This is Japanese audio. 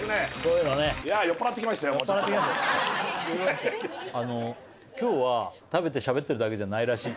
いやきょうは食べてしゃべってるだけじゃないらしい。